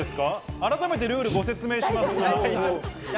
改めてルールをご説明します。